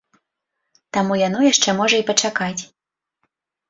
Таму яно яшчэ можа і пачакаць.